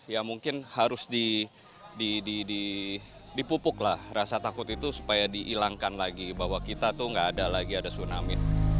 ya mungkin harus dipupuk lah rasa takut itu supaya dihilangkan lagi bahwa kita tuh gak ada lagi ada tsunami